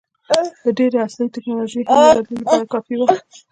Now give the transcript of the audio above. د ډبرې عصر ټکنالوژي هم د بدلون لپاره کافي وه.